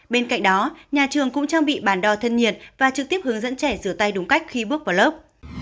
bên cạnh đó nhà trường cũng trang bị bản đo thân nhiệt và trực tiếp hướng dẫn trẻ rửa tay đúng cách khi bước vào lớp